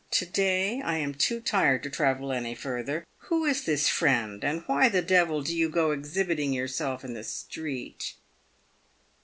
To day, I am too tired to travel any further. Who is this friend, and why the devil do you go exhibiting yourself in the street